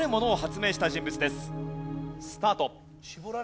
スタート！